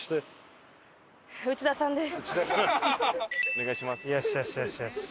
お願いします。